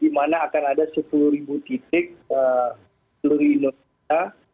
di mana akan ada sepuluh titik seluruh indonesia